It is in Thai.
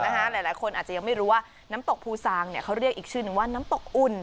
หลายคนอาจจะยังไม่รู้ว่าน้ำตกภูซางเขาเรียกอีกชื่อนึงว่าน้ำตกอุ่น